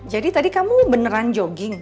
jadi tadi kamu beneran jogging